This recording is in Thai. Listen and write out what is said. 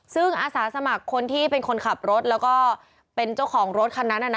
ซึ่งอาสาสมัครคนที่เป็นคนขับรถแล้วก็เป็นเจ้าของรถคันนั้น